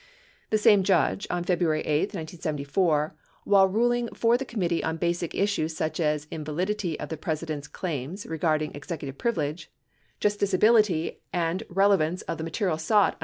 The same Judge, on February 8, 1974, while riding for the committee on basic issues such as the invalid ity of the President's claims regarding executive privilege, justici ability, and relevance of the material sought under S.